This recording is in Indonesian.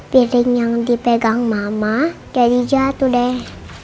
piring yang dipegang mama jadi jatuh deh